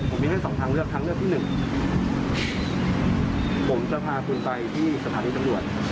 ผมมีให้สองทางเลือกทางเลือกที่หนึ่งผมจะพาคุณไปที่สถานีตำรวจ